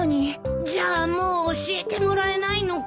じゃあもう教えてもらえないのか。